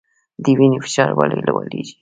د وینې فشار ولې لوړیږي؟